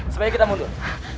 sebaiknya kita mundur